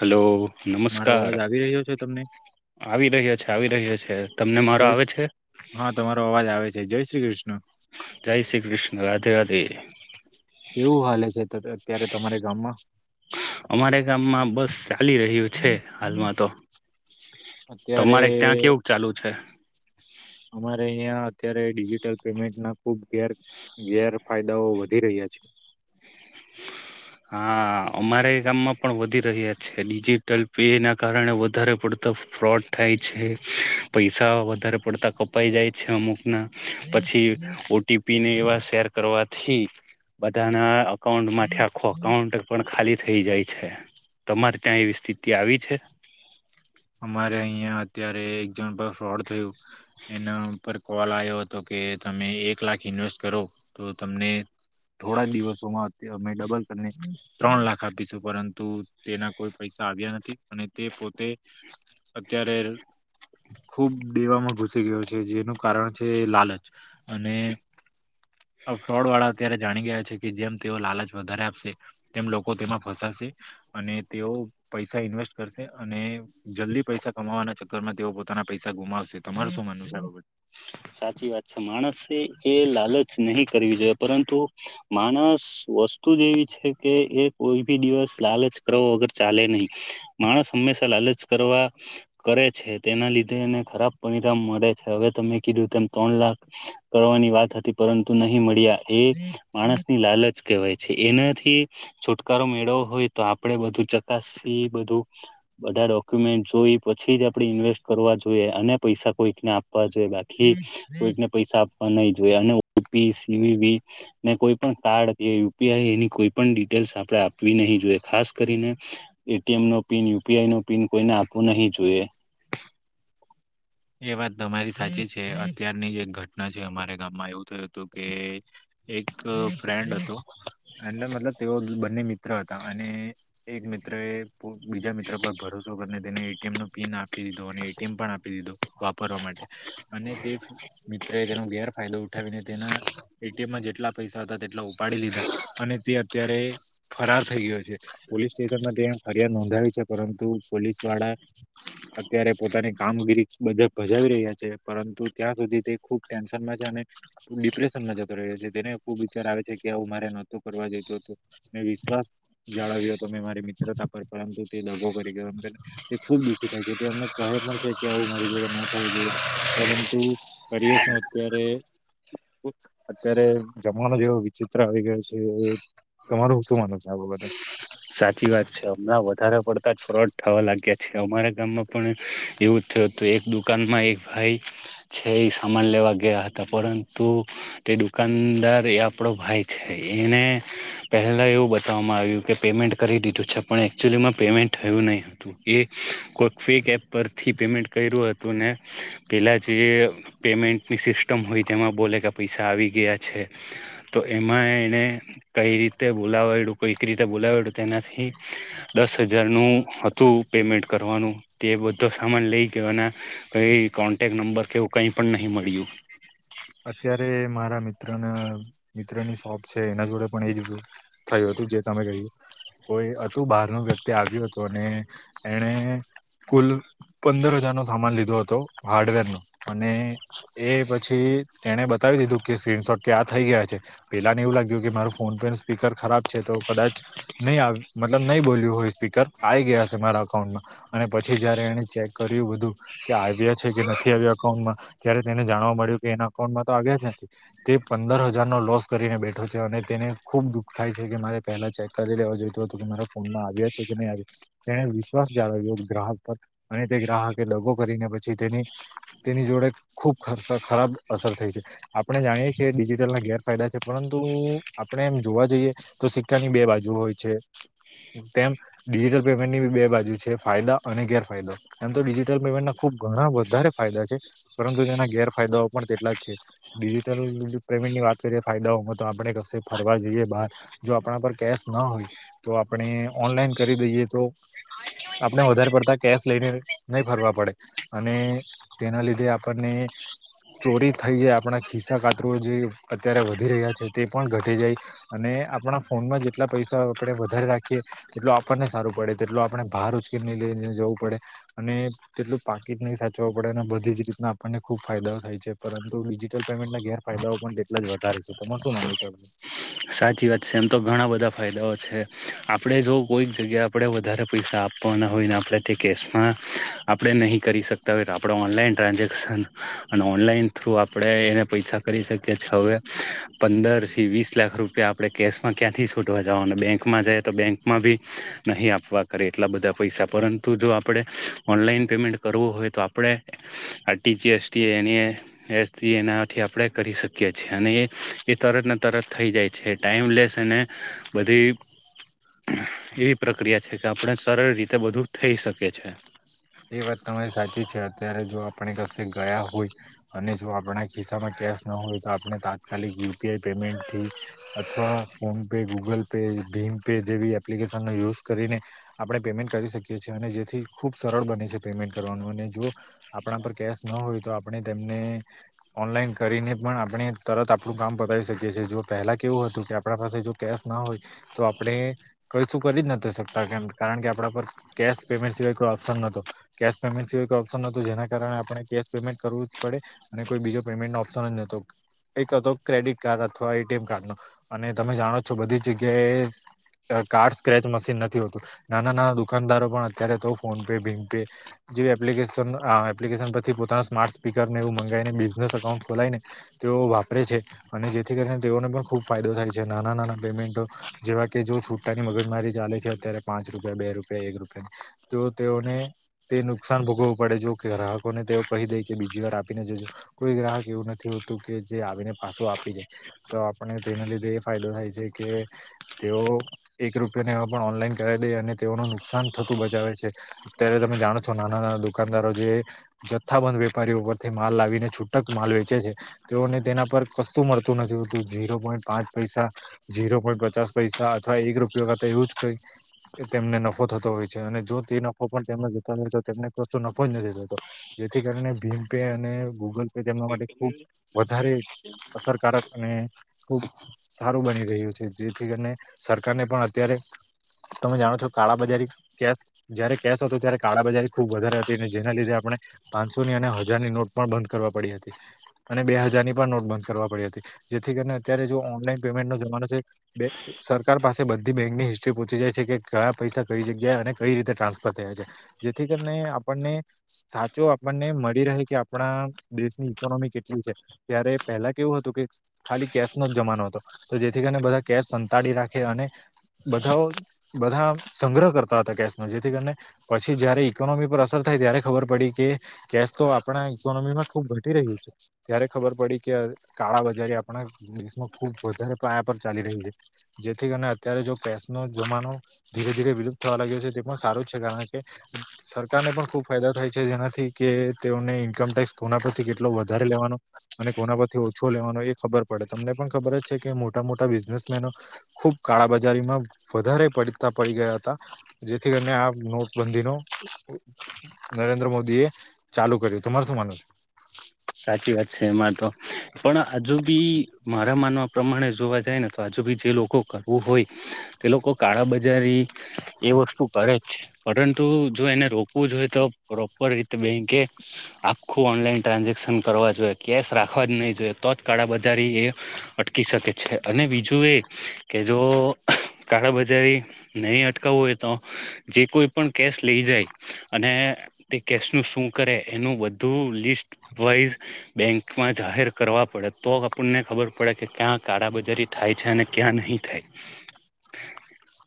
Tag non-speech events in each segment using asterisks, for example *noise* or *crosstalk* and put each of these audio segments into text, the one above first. Hello મારો અવાજ નમસ્કાર આવી રહ્યો છે તમને આવી રહ્યા છે આવી રહ્યા છે. તમને મારો જય સ આવે છે હા તમારો અવાજ આવે છે જય શ્રી કૃષ્ણ. જય શ્રી કૃષ્ણ રાધે રાધે. કેવું હાલે છે અત્યારે તમારા ગામમાં. અમારે ગામમાં બસ ચાલી રહ્યું છે હાલમાં તો. અત્યારે તમારે ત્યાં કેવું ચાલુ છે? અમારે અહીંયા અત્યારે ડિજિટલ પેમેન્ટના ખુબ ગેર ગેરફાયદાઓ વધી રહ્યા છે. હા અમારે ગામમાં પણ વધી રહ્ય ડિજિટલ પે ના કારણે વધારે પડતા ફ્રોડ થાય છે પૈસા વ ધારે પડતા કપાઈ જાય છે અમુક ના પછી ઓટી પીને એવા શેર કરવાથી બધાના અ કાઉન્ટમાંથી આખો અકાઉન્ટ પણ ખાલી થઈ જાય છે તમારે ત્યાં એવી સ્થિતિ આવી છે. અહિયા અત્યારે એક જણ ફ્રોડ થયું એના ઉપર કોલ આવ્યો હતો કે તમે લાખ ઇન્વેસ્ટ કરો તો તમને થોડા દિવસોમાં અમે ડબલ કરીને ત્રણ લાખ આપીશું પરંતુ તેના કોઈ પૈસા આવ્યા નથી અને તે પોતે અત્યારે ખૂબ દેવામાં ઘુસી ગયો છે જેનું કારણ છે લાલચ અને ફ્રોડ વાળા અત્યારે જાણી ગયા છે કે જેમ તેઓ લાલચ વધારે આપશે તેમ લોકો તેમાં ફસાશે. અને તેઓ પૈસા ઇન્વેસ્ટ કરશે અને જલ્દી પૈસા કમાવાના ચક્કર માં તેઓ પોતાના પૈસા ગુમાવશે તમારે શું માનવનું છે આ બાબત. સાચી વાત છે માણસે એ લાલચ નહી કરવી જોઈએ પરંતુ માણસ વસ્તુ જ એવી છે કે એ કોઈ ભી દિવસ લાલચ કરો વગર ચાલે નહીં માણસ હંમે શા લાલચ કરવા કરે છે તેના લીધે એને ખરાબ પરિણામ મળે છે હવે તમે કીધું તેમ ત્રણ લાખ કરવાની વાત હતી પરંતુ નહી મળ્યા. એ માણસ ની લાલચ કેવાય છે એનાથી થી છુટકારો મેળવો હોય તો આપડે બધું ચકાસ બધું બધા ડોક્યુમેન્ટ જોઈ પછી જ આપડે ઇન્વેસ્ટ કરવા જોઈએ અને પૈસા કોઈકને આપવા જો થી બાબતે? કોઈકને પૈસા આપવા નહીં. ઓપી સીવી ને કોઈ પણ કાર્ડ કે યુપીઆઈ એની કોઈ પણ ડિટેલ્સ આપડા આપવી નહી જોઈ ખાસ કરીને એટીએમ નો પિન યુપીઆઈ નો પિન કોઈને આપવું નહી જોઈએ. *inaudible* એ વાત તમારી સાચી છે અત્યારની જે એક ઘટના છે અમારા ગામમાં એવું થયું હતું કે એક ફ્રેન્ડ હતો. એ મતલબ તેઓ બંને મિત્ર હતા અને એક મિત્ર એ બીજા મિત્ર પર ભરો સો કરી લીધો ને એટીએમનો પિન આપી દીધો અને એટીએમ પણ આપી દીધો. વાપરવા માટે અને તે મિત્ર એ તેનો ગેરફાયદો ઉઠાવીને તેના એટીએમમાં જેટલા પૈસા તેટલા ઉપાડી લીધા અને તે અત્યારે ફરાર થઈ ગયો છે પોલીસ સ્ટેશન ફરિયાદ નોંધાવી છે પરંતુ પોલીસ વાળા અત્યારે પોતાની કામગીરી બધા ભજાવી રહ્યા છે પરંતુ ત્યાં સુધી તે ખુબ ટેન્શનમાં છે અને ડિપ્રેશનમાં જતો રહ્યો તેને ખુબ વિચાર આવે છે કે આવું મારે નોતુ કરવા જઈતો હતો મેં વિશ્વાસ જાણવ્યો હતો મે મિત્રતા પર પરંતુ તે દભો કરી તે ખુબ દુઃખી થાય છે તેમને કહે પણ છે કે આવું મારી જોડે ના થવું જોઈએ પરંતુ કરીએ શું અત્યારે અત્યારે જમાનો જેવો વિચિત્ર આવી ગયો છે તમારું શું માનો છે આ વગરે સાચી વાત છે હમણાં વધારે પડતા જ ફ્રોડ થવા લાગ્યા છે અમારા ગામમાં પણ એવું તો એક દુકાનમાં એક ભાઈ છે એ સામાન લેવા ગયા હતા પરંતુ દુકાનદાર એ આપડો ભાઈ છે એને પહેલા એવું બતાવવામાં આવ્યું કે પેમેન્ટ કરી દીધું છે પણ એકચ્યુઅલીમાં પેમેન્ટ થયું નહીં હતું એ કોઈ ફેક એપ પરથી પેમેન્ટ કર્યું હતું ને પેલા જે પેમેન્ટની સિસ્ટમ હોય જેમાં બોલે કે પૈસા આવી ગયા છે તો એમાં એને કઈ રીતે બોલાવ્યો હતો તેનાથી દસ હજારનું હતું પેમેન્ટ કરવાનું તે બધું સામાન લઈ જવાના કઈ કોન્ટેક્ટ નંબર કેવું કઈ પણ નહી મળ્યું અત્યારે મારા મિત્રની શોપ છે એના જોડે પણ એ બધુ થયું હતું જે તમે કહ્યું કોઈ હતું બહાર ન વ્યક્તિ આવ્યું હતું અને એને કુલ પંદર હજાર નો સામાન લીધો હતો હાર્ડવેર નો અને એ પછી તેણે બતાવી દીધું કે સ્ક્રીનશોટ કે આ થઈ ગયા છે પેલા ને એવું લાગ્યું કે માર ફોન પણ સ્પીકર ખરાબ છે. તો કદાચ નહી મતલ નહી બોલ્યું હોય સ્પીકર આય ગયા હશે મારા અકાઉન્ટમાં અને પછી તારે એને ચેક કર્યું બધું કે આવ્યા છે કે નથી આવ્યા અકાઉન્ટમાં ત્યારે તેને જાણવા મળ્યું કે એના ફોન માં તો આવ્યા જ નથી તે પંદર હજાર નો લોસ કરીને બેઠો છે અને તેને ખુબ દુઃખ થાય છે કે મારે પહેલા ચેક કરી લેવા જોઈતું હતુંકે મારા ફોનમાં આવ્યા છે કે નહી આય તેને વિશ્વાસ જાળવ્યો ગ્રાહક પર અને તે ગ્રાહકે દગો કરીને પછી તેની તેની જોડે ખૂબ ખર્ ખરાબ અસર થઈ છે આપણે જાણીએ છીએ ડિજિટલ ના ગેરફાયદા છે પરંતુ આપણે એમ જોવા જઈએ તો તો સિક્કા ની બે બાજુ હોય છે. તેમ ડિજિટલ પેમેન્ટની બે બાજુ છે ફાયદા અને ગેરફાયદો એમ તો ડિજિટલ પેમેન્ટ ખુબ ઘણા વધારે ફાયદા છે પરંતુ તેના ગેરફાયદાઓ પણ તેટલા જ છે ડિજિટલ પેમેન્ટની વાત કરીએ ફાયદાઓમાં તો આપણે કશે ફરવા જઈએ બહાર જો આપણા પર કેશ ના હોય તો આપણે ઓનલાઈન કરી દઈએ તો આપણે વધારે પડતા કેશ લઈને નહી ફરવા પડે અને તેના લીધે આપણને *inaudible* ચોરી થઈ જાય આપણા ખિસ્સા કાતરો જે અત્યારે વધી રહ્યા છે તે પણ ઘટી જાય અને આપણા ફોનમાં જેટલા પૈસા આપણે વધારે રાખીએ તેટલો આપણને સારું પડે તેટલો આપણે ભાર ઉચકે નઈ લઈ જવું પડે અને તેટલું પાકીટ ને એ સાચવું પડે અને બધી જ રીતના આપણને ખુબ ફાયદા થાય છે. પરંતુ ડિજિટલ પેમેન્ટના ગેરફાયદાઓ પણ તેટલા જ વધારે છે. તમાર શું માનવું છે? સાચી વાત સે એમ તો ઘણા બધા ફાયદાઓ છે આપડે જો કોઈક જગ્યા આપડે વધારે પૈસા આપ ના હોયને આપણે તે કેશમાં આપણે નહીં કરી શકતા હોય તો આપડે ઓનલાઈન ટ્રાન્ઝેક્શન અને ઓનલાઈન થ્રુ આપણે એને પૈસા કરી શકીએ છીએ હવે પંદર થી વીસ લાખ રૂ પિયા આપણે કેશમાં ક્યાંથી શુધવા જાાવાનું બેંકમાં જાય તો બેંકમાં ભી નહીં આપવા કરે એટલા બધા પૈસા પરંતુ જો આપણે ઓનલાઈન પેમેન્ટ કરવું હોય તો આપણે આરટીજીએસટી *unintelligible* એનાથી આપણેે કરી શકીએ છીએ અને એ તરત ને તરત થઈ જાય છે. ટાઈમલેસ અને બધી એવી પ્રક્રિયા છે કે આપણે સરળ રીતે બધું થઈ શકીએ છે. એ વાત તમારી સાચી છે અત્યારે જો આપણે કસે ગયા હોય અને જો આપણા ખિસ્સામાં કેશ ન હોય તો આપણે તાત્કાલિક યુપીઆઈ પેમેન્ટથી અથવા ફોન પે ગૂગલ પે ભીમ પે જેવી એપ્લિકેશન નો યુઝ કરીને આપણે પેમેન્ટ કરી શકીએ છીએ અને જેથી ખૂબ સરળ બની શકે પેમેન્ટ કરવાનું અને જો આપણા પર કેશ ન હોય તો આપણે તેમને ઓનલાઇન કરીને પણ આપણે તરત આપણું કામ બતાવી શકીએ છીએ જો પહેલા કેવું હતું કે આપણા પાસે જો કેશ ના હોય તો આપણે કઈ શું કરી જ નથી શકતા કેમ કારણ કે આપણા પર કેશ પેમેન્ટ સિવાય કોઈ ઓ પ્શન નતો કેશ પેમેન્ટ સિવાય કોઈ ઓપ્શન નતું જેના કારણે આપણે કેશ પેમેન્ટ કરવું જ પડે અને કોઈ બીજો પેમે ન્ટનો ઓપ્શન જ નતો એક હતો ક્રેડિટ કાર્ડ અથવા એટીએમ કાર્ડ અને તમે જાણો છો બધી જગ્યા એ કાર્ડ સ્ક્રેચ મશીન નથી હોતું નાના નાના દુકાનદારો પણ અત્યારે તો ફોનપે ભીમપે જે એપ્લિકેશન અ એપ્લિકેશન પરથી પોતાના સ્પીકર ને એવું મંગાવીને બિઝ નેસ અકાઉન્ટ ખોલાઈને તેઓ વાપરે છે અને જેથી કરીને તેઓને પણ ખૂબ ફાયદો થાય છે નાના નાના પેમેન્ટ જેવા કે જો છુટાની મગજમારી ચાલે છે અત્યારે પાંચ રૂપિયા બે રૂપિયા એક રૂપિયા તો તેઓને તે નુકસાન ભોગવું પડે જો કે ગ્રાહકોને તેઓ કહી દે કે બીજી વાર આપીને જજો કોઈ ગ્રાહક એવું નથી હોતું કે જે આવીને પાછું આપી જાય તો આપણે તેના લીધે એ ફાયદો થાય છે કે તે ઓ એક રૂપિયાને એવા પણ ઓનલાઈન કરાવી દે અને તેઓનું નુકસાન થતું બચાવે છે. અત્યારે તમે જાણો છો નાના નાના દુકાનદારો જે જથ્થાબંધ વેપારીઓ પરથી માલ લાવીને છૂટક માલ વેચે છે તેઓને તેના પર કશું મળતું નથી હોતું ઝીરો પોઈન્ટ પાંચ પૈસા ઝીરો પોઈન્ટ પચાસ પૈસા અથવા એક રૂપિિયા કરતા એવું જ ક તેમને નફો થતો હોય છે અને જો તે નફો પણ તેમને *unintelligible* નફો જ નથી થતો જેથી કરને ભીમ પે અને ગૂગલ પે તેમના માટે ખુબ વધારે અસરકારક અને ખુબ સારું બની રહ્યું છે જેથી કરીને સરકારને પણ અત્યારે તમે જાણો છો કાળા બજારી કેશ જયારે કેશ હતો ત્યારે કાળા બજારી ખુબ વધારે હતી અને જેના લીધે આપણે પાંસોની અને હજારની નોટ પણ બંધ કરવા બે હજારની પણ નોટ બંધ કરવા પડી હતી જેથી કરીને અત્યારે જો ઓનલાન પેમેન્ટ નો જમાનો. સરકાર પાસે બધી બેંકની હિસ્ટ્રી પહોચી જાય છે કે કયા પૈસા કઈ જગ્યાએ અને કઈ રીતે ટ્રાન્સફર થયા છે જેથી કરીને આપણને સાચો આપણને મળી રહે કે આપણા દેશની ઇકોનોમી કેટલી છે ત્યારે પહેલા કેવું હતું કે ખાલી કેશ નો જ જમાનો હતો તો જેથી કરી. બધા કેશ સંતાડી રાખે અને બધા બધા સંગ્રહ કરતા હતા કે. જેથી કરીને પછી જયારે ઈકોનોમી પર અસર થાય ત્યારે ખબર પડી કે કેશ તો આપણા ઈકોનોમીમાં ઘ રહ છે ત્યારે ખબર પડી કે કાળા બજારી આપ દેશમાં ખબ વધારે. ચાલી રહી છે જેથી કરી અત્યારે જો કેશ નો જમાનો ધીરે ધીરે વિલુપ્ત થવા લાગ્યો છે. સારું છે કારણ કે સરકારને પણ ખુબ ફાયદો થાય છે જેનાથી કે તેઓને ઈન્કમ ટેક્સ ખબ કોના પરથી કેટલો વધારે લેવાનો અને કોના પરથી ઓછો લેવાનો એ ખબર પડે તમને પણ ખબર જ છે કે મોટા. મોટા બિઝનેસમેનો ખુબ કાળાબજારીમાં વધારે પડતા પડી ગયા હતા. જેથી કરીને આ નોટબંધી ન નરેન્દ્ર મોદી એ ચાલુ કર્યું તમારે શું માનું છે. *inaudible* સાચી વાત છે એમાં તો પણ આજુ બી મારા માનવા પ્રમાણે જોવા જાય ને તો આજુ જે લોકો કરવું હોય તે લોકો કાળા બજારી એ વસ્તુ કરે. પરંતુ જો એને રોકવું જોઈએ તો પ્રોપર રીતે બેંકે આખું ઓનલાઈન ટ્રાન્ઝેક કરવા જોએ કેસ રાખવા જ નહીં જોઈએ તો જ કાળા બજારી એ અટકી શકે છે અને બીજું કે જો કાળાબજારી નહી અટકાવવું હોય તો જે કોઈ પણ કેશ લઈ જાય અને તે કેશનું શું કરે એનું બધું લિસ્ટ વાઈઝ બેંકમાં જાહેર કરવા પડે તો આપણને ખબર પડે કે ક્યાં કાબજારી થાય થાય છે અને ક્યાં નહી થાય *inaudible*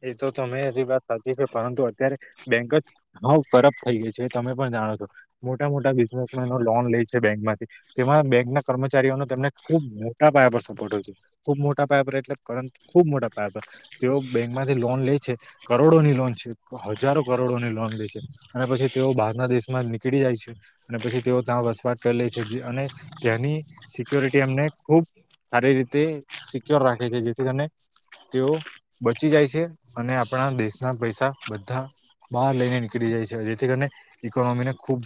એ તો તમે એજી વાત સાચી છે પરંતુ અત્યારે બેંક જ બ ખરબ થઈ ગઈ છે તમે પણ. મોટા મોટા બિઝનેસમે લોન લ છે બેંકમાંથી તેમાં બેંક ના કર્મચારીઓને ખબ મોટા પયા પર સપોર્ટય ખુબ મોટા પયા પર એટલે કર ખુબ મોટા પયા પર જે બેક માંથી લોન લે છે કરોડો ની લોન છે હજારો કરોડો ની લોન લે છે અને પછી તેઓ બારના. દેશમાં નીકળી જાય છે અને પછી તેઓ ત્યાં વસવાટ કરી લે છે અને તેની સિક્યોરિટી એમ. ખ સારી રીતે સિક્યોર રાખે છે જેથી કરી તેઓ પચી જાય છે અને આપણા દેશના પૈસા બધા બહાર લઈને નીકળી જાય છે જેથી કરીને ઈકોનોમી ને ખુબ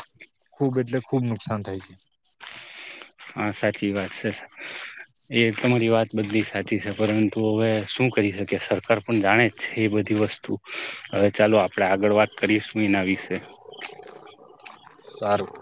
ખૂબ એટલે ખુબ નુકસાન થાય છે. હા સાચી વાત છે. એ તમારી વાત બધલી સાચી છે પરંતુ હવે શું કરી શકે સરકાર પણ જાણે જ છે એ બધી વસ્તુ હવે ચાલો આપડે આગળ વાત કરીશું એના વિશે સારું.